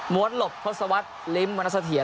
ม้วนหลบพศวรรษลิมบรรทสเทียน